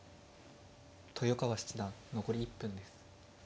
豊川七段残り１分です。